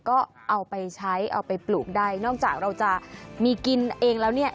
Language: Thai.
ก็เอาไปใช้เอาไปปลูกได้นอกจากเราจะมีกินเองแล้วเนี่ย